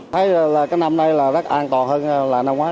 thấy là cái năm nay là rất an toàn hơn là năm qua